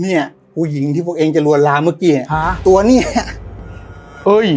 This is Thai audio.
เนี้ยผู้หญิงที่พวกเองจะลวนลามเมื่อกี้เนี้ยฮะตัวเนี้ยเอ้ย